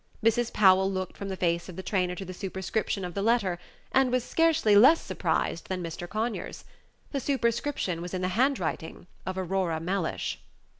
Mrs. Powell looked from the face of the trainer to the superscription of the letter, and was scarcely less surprised than Mr. Conyers. The superscription was in the handwriting of Aurora Mellish.